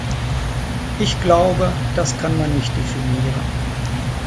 Ich glaube, das kann man nicht definieren.